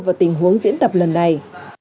vào tình huống diễn tập lần này